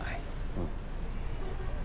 うん。